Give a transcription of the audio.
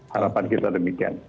harapan kita demikian